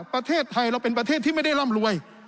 ประเทศไทยเราเป็นประเทศที่ไม่ได้ร่ำรวย